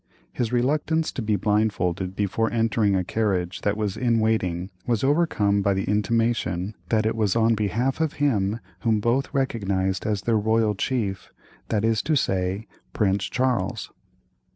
His reluctance to be blindfolded before entering a carriage that was in waiting was overcome by the intimation that it was on behalf of him whom both recognised as their royal chief, that is to say, Prince Charles.